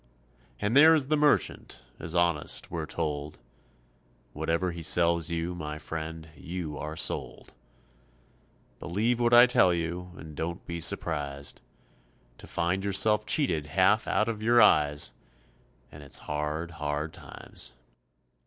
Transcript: And there is the merchant, as honest, we're told. Whatever he sells you, my friend, you are sold; Believe what I tell you, and don't be surprised To find yourself cheated half out of your eyes, And it's hard, hard times.